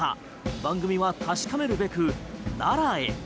番組は確かめるべく奈良へ。